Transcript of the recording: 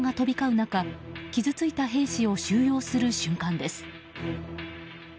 中傷ついた兵士を収容する瞬間です。